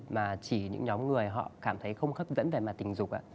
mà chỉ những nhóm người họ cảm thấy không khất dẫn về mặt tình dục